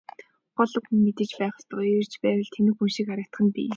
Ухаалаг хүн мэдэж байх ёстойгоо эрж хайвал тэнэг хүн шиг харагдах нь бий.